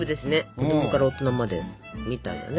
子供から大人までみたいだね。